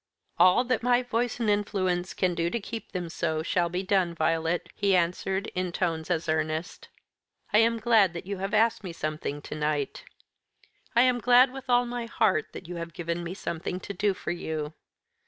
"All that my voice and influence can do to keep them so shall be done, Violet," he answered in tones as earnest. "I am glad that you have asked me something to night. I am glad, with all my heart, that you have given me something to do for you.